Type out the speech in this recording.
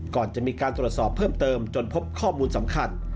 ก่อนจะมีการตรวจสอบเพิ่มเติมจนพบข้อมูลสำคัญ